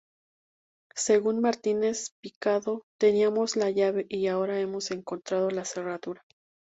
Según Martínez-Picado, “teníamos la llave y ahora hemos encontrado la cerradura.